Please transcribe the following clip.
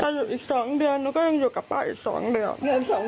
อยู่อีก๒เดือนหนูก็ยังอยู่กับป้าอีก๒เดือน